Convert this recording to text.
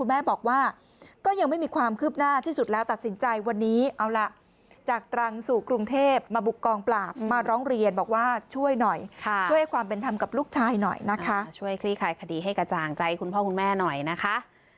ช่วยคลี่คลายคดีให้กระจ่างใจคุณพ่อคุณแม่หน่อยนะคะ